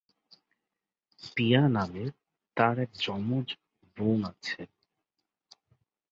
পিয়া নামের তার এক জমজ বোন আছে।